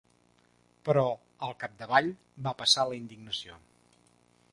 Però, al capdavall, va passar la indignació.